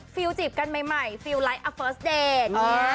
ฟิวจีบกันใหม่ฟิวไลท์อ่ะเฟอร์สเดย์